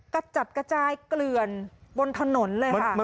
กระจัดกระจายเกลื่อนบนถนนเลยค่ะ